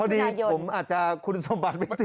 ดีผมอาจจะคุณสมบัติไม่ติด